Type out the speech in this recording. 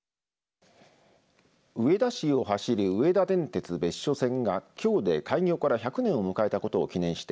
上田市を走る上田電鉄別所線がきょうで開業から１００年を迎えたことを記念して